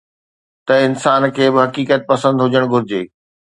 ته انسان کي به حقيقت پسند هجڻ گهرجي.